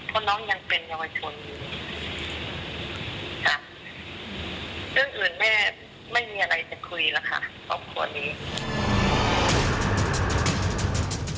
ครอบครัวนี้